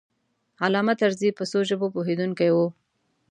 علامه طرزی په څو ژبو پوهېدونکی و.